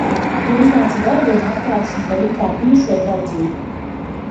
Man uznāca vēl viena atklāsme par it kā bijušo draudzību.